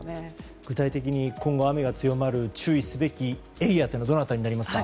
具体的に今後雨が強まる注意すべきエリアというのはどの辺りになりますか？